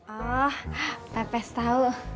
ah pepes tahu